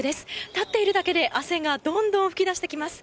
立っているだけで汗がどんどん噴き出してきます。